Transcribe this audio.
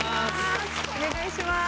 お願いしまーす。